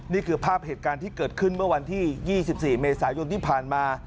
นี่คือภาพเหตุการณ์ที่เกิดขึ้นเมื่อวันที่๒๔เมษายนที่ผ่านมา